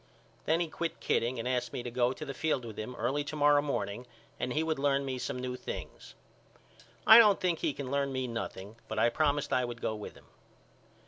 Then he quit kidding and asked me to go to the field with him early to morrow morning and he would learn me some things. I don't think he can learn me nothing but I promised I would go with him.